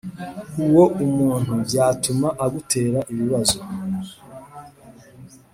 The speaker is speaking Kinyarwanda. uwo umuntu byatuma agutera ibibazo.